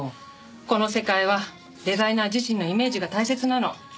この世界はデザイナー自身のイメージが大切なの。